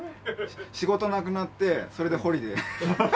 仕事なくなってそれでホリデー。